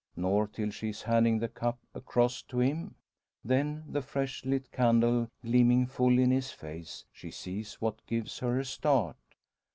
Nor till she is handing the cup across to him. Then, the fresh lit candle gleaming full in his face, she sees what gives her a start.